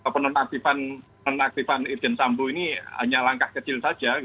penonaktifan irjen sambo ini hanya langkah kecil saja